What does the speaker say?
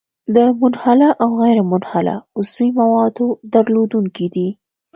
د منحله او غیرمنحله عضوي موادو درلودونکی دی.